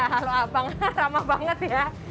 halo abang ramah banget ya